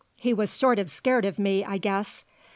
He was sort of scared of me, I guess.